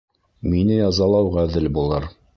Мине язалау ғәҙел булыр.